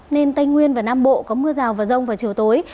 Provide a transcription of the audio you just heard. nên tây nguyên và nam bộ có mưa rào và rông vào chiều tối